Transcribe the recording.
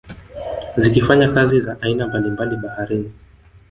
Zikifanya kazi za aina mbalimbali baharini